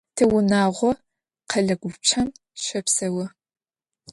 Тиунагъо къэлэ гупчэм щэпсэу.